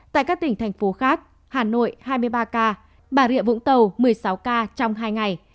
tại các tỉnh thành phố khác hà nội hai mươi ba ca bà rịa vũng tàu một mươi sáu ca trong hai ngày